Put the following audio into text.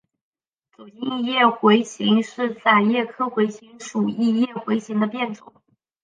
走茎异叶茴芹是伞形科茴芹属异叶茴芹的变种。